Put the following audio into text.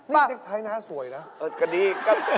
นี่นิกไทยหน้าสวยนะเอิ้นก็ดีก็